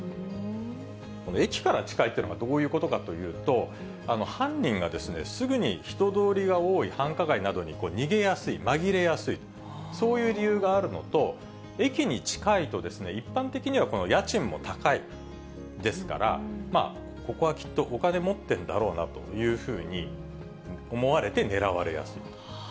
駅から近いというのがどういうことかというと、犯人がすぐに人通りが多い繁華街などに逃げやすい、紛れやすい、そういう理由があるのと、駅に近いと一般的には家賃も高いですから、ここはきっとお金持ってるんだろうなというふうに思われて狙われやすい。